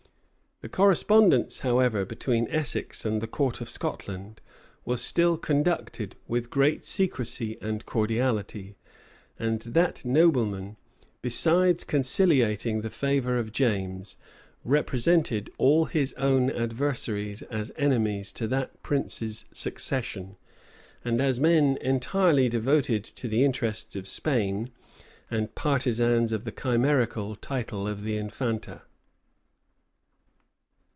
The correspondence, however, between Essex and the court of Scotland was still conducted with great secrecy and cordiality; and that nobleman, besides conciliating the favor of James, represented all his own adversaries as enemies to that prince's succession, and as men entirely devoted to the interests of Spain, and partisans of the chimerical title of the infanta.